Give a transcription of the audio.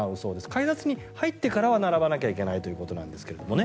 改札に入ってからは並ばなければいけないということなんですけどね。